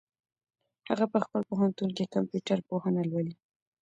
هغه په خپل پوهنتون کي کمپيوټر پوهنه لولي.